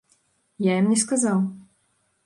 Я ім не сказаў.